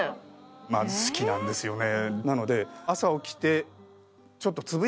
まあ好きなんですよね。